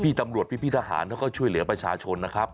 พี่ตำรวจพี่ทหารเขาก็ช่วยเหลือประชาชนนะครับ